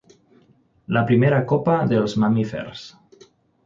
La primera copa dels mamífers.